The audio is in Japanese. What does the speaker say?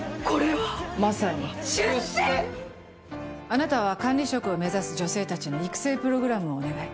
あなたは管理職を目指す女性たちの育成プログラムをお願い。